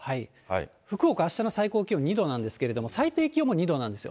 福岡、あしたの最高気温２度なんですけれども、最低気温も２度なんですよ。